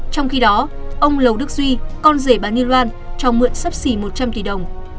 trong khi đó ông lầu đức duy con rể bà niran cho mượn sắp xỉ một trăm linh tỷ đồng